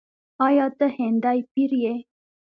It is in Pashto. “آیا ته هندی پیر یې؟”